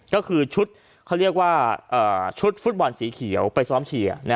ก็คือชุดเขาเรียกว่าชุดฟุตบอลสีเขียวไปซ้อมเชียร์